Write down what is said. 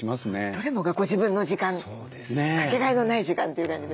どれもがご自分の時間かけがえのない時間という感じですね。